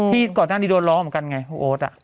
พี่ก่อนหน้านี้โดนร้องเหมือนกันไงคุณโอ๊ต